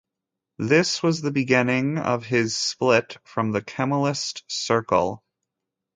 This was the beginning of his split from the Kemalist circle.